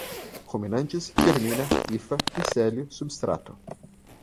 ruminantes, germina, hifa, micélio, substrato